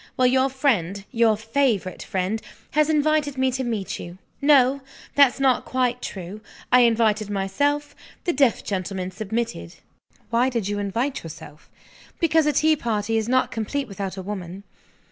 Well, your friend, your favorite friend, has invited me to meet you. No! that's not quite true. I invited myself the deaf gentleman submitted." "Why did you invite yourself?" "Because a tea party is not complete without a woman."